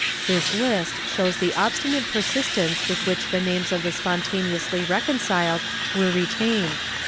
This Ust shows the obstinate persistence with which the names of the spontaneously reconciled were retained.